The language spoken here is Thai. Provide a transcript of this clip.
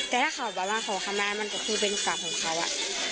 แต่ถ้าเขาบอกว่าเขาเข้ามามันก็คือเป็นความของเขาอ่ะ